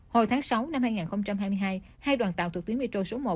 hồi tháng sáu năm hai nghìn hai mươi hai hai đoàn tàu thuộc tuyến metro số một